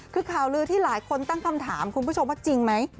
คือข่าวลือที่หลายคนตั้งคำถามคุณผู้ชมว่าจริงไหม